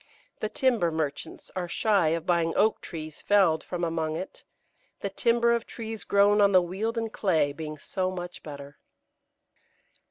The timber merchants are shy of buying oak trees felled from among it, the timber of trees grown on the wealden clay being so much better.